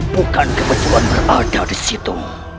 bukan kebetulan berada di situ